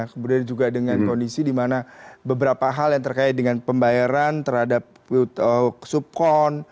kemudian juga dengan kondisi dimana beberapa hal yang terkait dengan pembayaran terhadap subkon